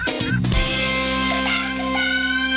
อืมใช่